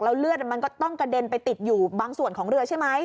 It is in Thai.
เลือดมันก็ต้องกระเด็นไปติดอยู่บางส่วนของเรือใช่ไหม